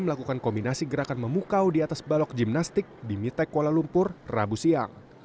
melakukan kombinasi gerakan memukau di atas balok gimnastik di mite kuala lumpur rabu siang